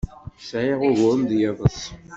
Sɛiɣ uguren d yiḍes.